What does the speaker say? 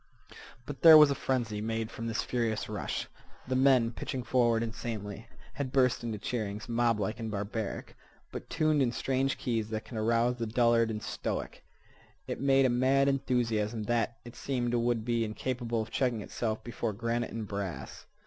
But there was a frenzy made from this furious rush. The men, pitching forward insanely, had burst into cheerings, moblike and barbaric, but tuned in strange keys that can arouse the dullard and the stoic. It made a mad enthusiasm that, it seemed, would be incapable of checking itself before granite and brass.